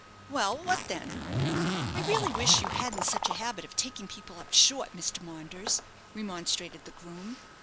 "Well, what then?" "I really wish you hadn't such a habit of taking people up short, Mr. Maunders," remonstrated the groom.